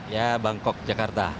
ya bangkok jakarta